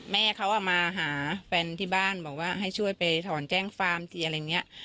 แม่เขามาหาแฟนที่บ้านบอกว่าให้ช่วยไปถอนแจ้งความทีอะไรอย่างนี้